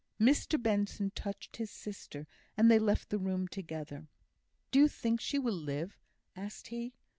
Mr Benson touched his sister, and they left the room together. "Do you think she will live?" asked he.